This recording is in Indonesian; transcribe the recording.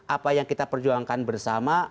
apa yang kita perjuangkan bersama